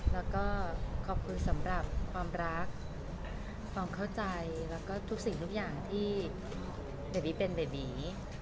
แล้วก็ขอบคุณสำหรับความรักความเข้าใจแล้วก็ทุกสิ่งทุกอย่างที่เบบี้เป็นเบบี